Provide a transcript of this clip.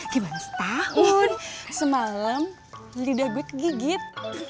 gimana setahun semalam lidah gue kegigit